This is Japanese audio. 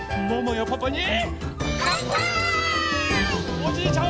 おじいちゃん